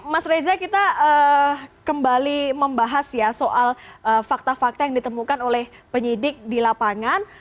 mas reza kita kembali membahas ya soal fakta fakta yang ditemukan oleh penyidik di lapangan